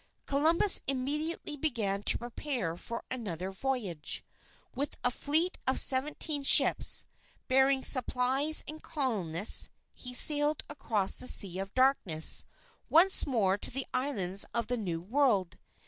Columbus immediately began to prepare for another voyage. With a fleet of seventeen ships, bearing supplies and colonists, he sailed across the Sea of Darkness once more to the islands of the New World.